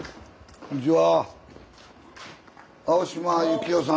こんちは。